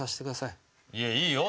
いやいいよ。